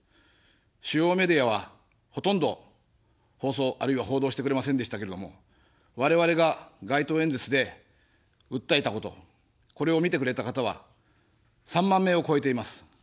主要メディアは、ほとんど、放送あるいは報道してくれませんでしたけれども、我々が街頭演説で訴えたこと、これを見てくれた方は３万名を超えています。